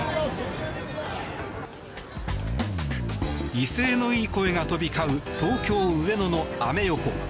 威勢のいい声が飛び交う東京・上野のアメ横。